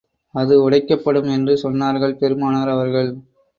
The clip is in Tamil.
அது உடைக்கப்படும் என்று சொன்னார்கள் பெருமானார் அவர்கள்.